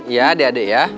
ya adik adik ya